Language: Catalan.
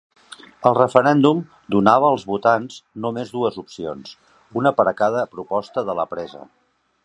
El referèndum donava als votants només dues opcions, una per a cada proposta de la presa.